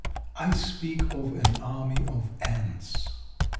I speak of an army of ants.